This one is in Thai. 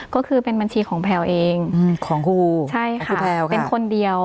ก็คือเป็นบัญชีของแพลวเองของครูใช่ค่ะเป็นคนเดียว